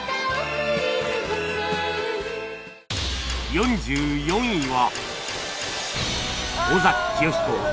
４４位は